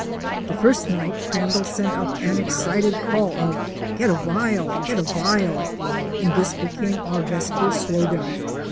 The first night Crandall sent up an excited call of " Get a vial! Get a vial!" and this became our vesper slogan.